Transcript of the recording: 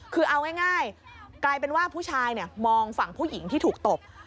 คือเอาง่ายกลายเป็นว่าผู้ชายมองฝั่งผู้หญิงที่ถูกตบ